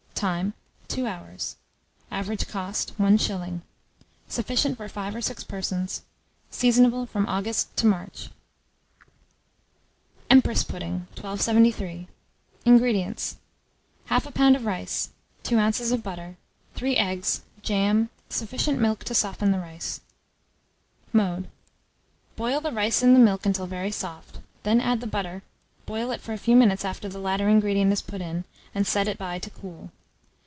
Time. 2 hours. Average cost, 1s. Sufficient for 5 or 6 persons. Seasonable from August to March. EMPRESS PUDDING. 1273. INGREDIENTS. 1/2 lb. of rice, 2 oz. of butter, 3 eggs, jam, sufficient milk to soften the rice. Mode. Boil the rice in the milk until very soft; then add the butter boil it for a few minutes after the latter ingredient is put in, and set it by to cool.